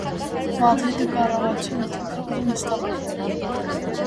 Մադրիդը կառավարության և թագավորի նստավայրն է։